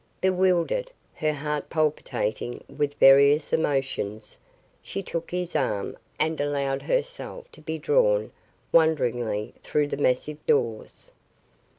Bewildered, her heart palpitating with various emotions, she took his arm and allowed herself to be drawn wonderingly through the massive doors.